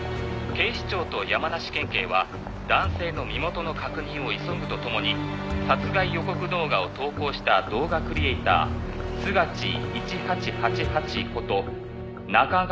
「警視庁と山梨県警は男性の身元の確認を急ぐと共に殺害予告動画を投稿した動画クリエイタースガチー１８８８